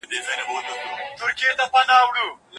دولت به سبا نوي مالي تګلاره اعلان کړي.